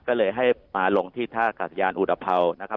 ก็เลยให้มาลงที่ท่ากาศยานอุตภัวนะครับ